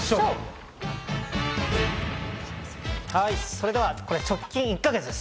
それではこちら、直近１か月です。